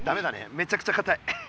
めちゃくちゃかたい。